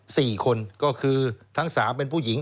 สี่คนก็คือทั้งสามเป็นผู้หญิง